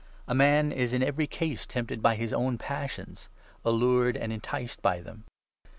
A 14 man is in every case tempted by his own passions — allured and enticed by them.